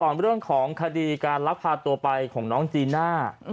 เรื่องของคดีการลักพาตัวไปของน้องจีน่า